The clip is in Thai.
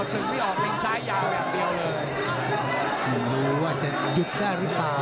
หมายความว่าจะหยุดได้หรือเปล่า